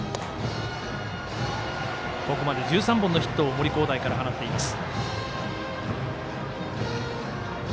ここまで１３本のヒットを森煌誠から放っています。